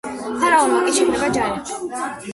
ფარაონმა კი შეკრიბა ჯარი და კირენას წინააღმდეგ გაგზავნა.